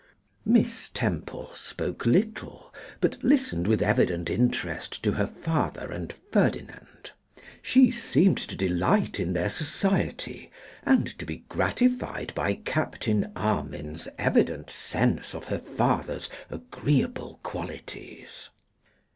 Miss Temple spoke little, but listened with evident interest to her father and Ferdinand. She seemed to delight in their society, and to be gratified by Captain Armine's evident sense of her father's agreeable qualities.